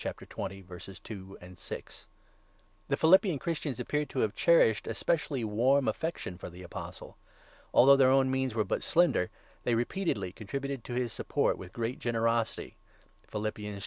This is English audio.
2, 6). The Philippian Christians appear to have cherished a specially warm affection for the Apostle. Although their own means were but slender, they repeatedly contributed to his support with great generosity (Phil. 4.